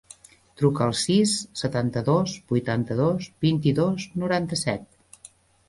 Truca al sis, setanta-dos, vuitanta-dos, vint-i-dos, noranta-set.